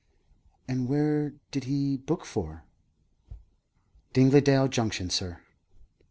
"And where did he book for?" "Dingledale Junction, sir."